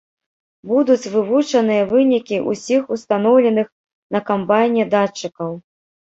Будуць вывучаныя вынікі ўсіх устаноўленых на камбайне датчыкаў.